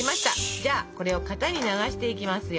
じゃあこれを型に流していきますよ。